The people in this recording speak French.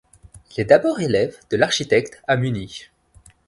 Il est d'abord élève de l'architecte à Munich.